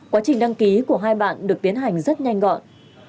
quá trình đăng ký của hai bạn được tiến hành rất nhanh gọn